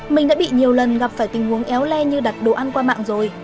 mình đã bị nhiều lần gặp phải tình huống éo le như đặt đồ ăn qua mạng rồi